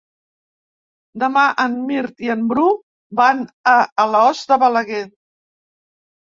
Demà en Mirt i en Bru van a Alòs de Balaguer.